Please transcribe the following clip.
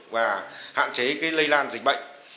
và hạn chế lây lan dịch bệnh